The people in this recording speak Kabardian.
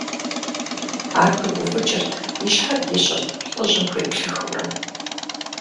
Ар пыгуфӀыкӀырт, и щхьэр ищӀырт, лӀыжьым хуеплъыхыурэ.